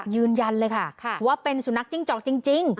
ยืนยันเลยค่ะว่าเป็นสุนัขจิ้งจอกจริง